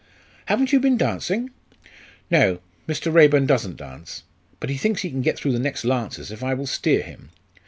Haven't you been dancing?" "No, Mr. Raeburn doesn't dance. But he thinks he can get through the next Lancers if I will steer him."